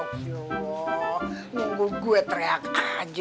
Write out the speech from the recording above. tau tuhan nunggu gue teriak aja